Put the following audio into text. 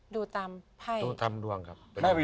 ดูตามไผ้